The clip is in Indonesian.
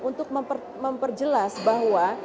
untuk memperjelas bahwa